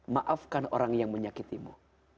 maafkan orang yang menyakitimu